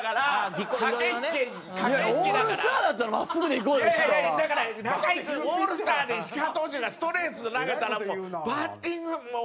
いやいや、だから中居君、オールスターで石川投手がストレートで投げたらバッティング、もう。